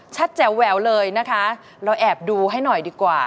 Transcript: แจ๋วแหววเลยนะคะเราแอบดูให้หน่อยดีกว่า